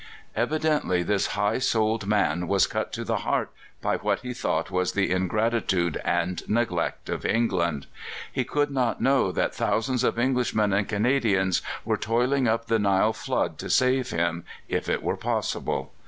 Evidently this high souled man was cut to the heart by what he thought was the ingratitude and neglect of England. He could not know that thousands of Englishmen and Canadians were toiling up the Nile flood to save him, if it were possible.